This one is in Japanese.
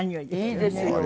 いいですよ。